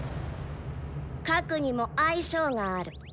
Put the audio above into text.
核にも相性がある。